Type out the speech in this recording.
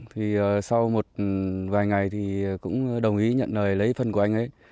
thì sau một vài ngày thì cũng đồng ý nhận lời lấy phân của anh ấy